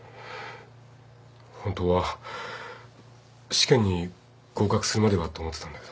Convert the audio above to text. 本当は試験に合格するまではと思ってたんだけど。